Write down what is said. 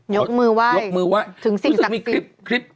ยกมือไหวถึงสิ่งสักครู่มั้ย